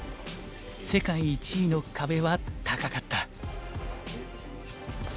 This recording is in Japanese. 世界１位の壁は高かった。